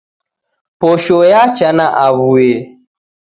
Posho yacha na awuye